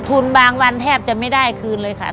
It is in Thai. ทุนบางวันแทบจะไม่ได้คืนเลยค่ะ